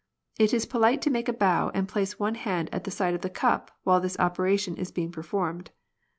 It is polite to make a bow and place one hand at the side of the cup while this operation is being performed.